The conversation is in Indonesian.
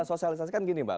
kita sosialisasikan gini mbak